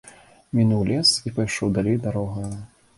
Мінуў лес і пайшоў далей дарогаю.